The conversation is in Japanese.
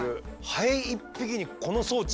ハエ１匹にこの装置？